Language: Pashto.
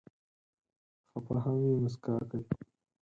که خفه هم وي، مسکا کوي.